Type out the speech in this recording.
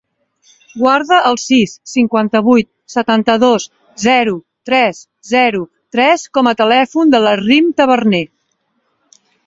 Guarda el sis, cinquanta-vuit, setanta-dos, zero, tres, zero, tres com a telèfon de la Rim Taberner.